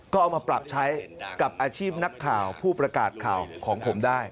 ก็เอามาปรับใช้กับอาชีพนักข่าวผู้ประกาศข่าวของผมได้